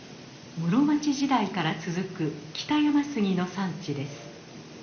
室町時代から続く北山杉の産地です。